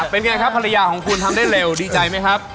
เป็นไงครับภรรยาของคุณทำได้เร็วดีใจไหมครับ